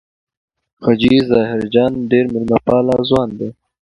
حاجي ظاهر جان ډېر مېلمه پال ځوان دی.